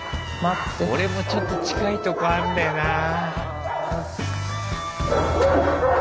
俺もちょっと近いとこあんだよなぁ。